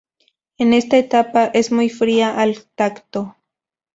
En esta etapa, es muy fría al tacto.